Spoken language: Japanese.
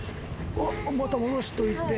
また下ろしといて。